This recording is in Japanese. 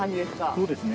そうですね。